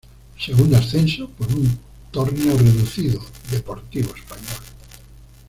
El segundo ascenso, por un torneo reducido, Deportivo Español.